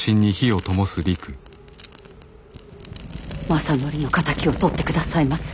政範の敵をとってくださいませ。